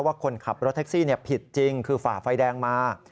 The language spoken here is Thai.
คนขับรถแท็กซี่ผิดจริงคือฝ่าไฟแดงมา